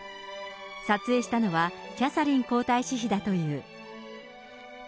撮影したのは、キャサリン皇太子妃だという。